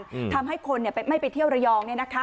ทำให้คนเนี้ยไปไม่ไปเที่ยวระยองเนี้ยนะคะ